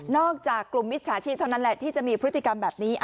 จากกลุ่มมิจฉาชีพเท่านั้นแหละที่จะมีพฤติกรรมแบบนี้